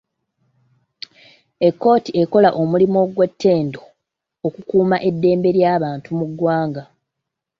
Ekkooti ekola omulimu gwa ttendo okukuuma eddembe ly'abantu mu ggwanga.